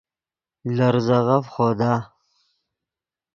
لے ریزے غف خودا